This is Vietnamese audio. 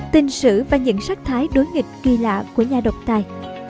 tình sử và những sắc thái đối nghịch kỳ lạ của nhà độc tài